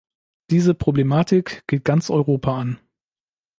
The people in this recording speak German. Diese Problematik geht ganz Europa an.